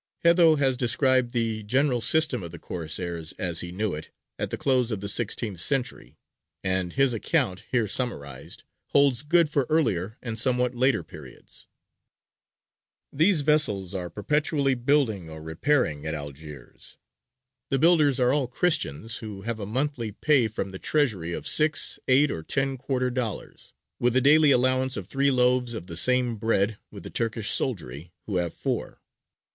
Haedo has described the general system of the Corsairs as he knew it at the close of the sixteenth century, and his account, here summarized, holds good for earlier and somewhat later periods: These vessels are perpetually building or repairing at Algiers; the builders are all Christians, who have a monthly pay from the Treasury of six, eight, or ten quarter dollars, with a daily allowance of three loaves of the same bread with the Turkish soldiery, who have four.